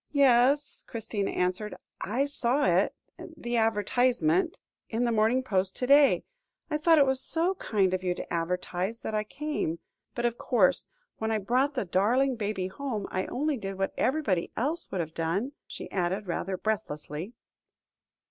"Yes," Christina answered; "I saw it the advertisement in the Morning Post to day. I thought it was so kind of you to advertise, that I came. But, of course, when I brought the darling baby home, I only did what everybody else would have done," she added, rather breathlessly.